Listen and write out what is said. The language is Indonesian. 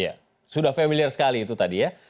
ya sudah familiar sekali itu tadi ya